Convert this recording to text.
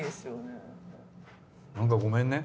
何かごめんね。